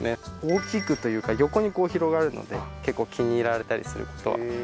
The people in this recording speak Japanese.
大きくというか横にこう広がるので結構気に入られたりする事は多いですね。